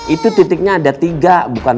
itu titiknya ada tiga bukan dua